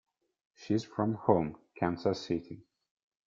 She's from home — Kansas City.